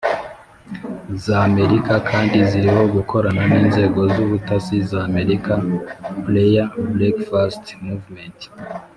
z'amerika kandi riziho gukorama n'inzego z'ubutasi za amerika. «prayer breakfast movement»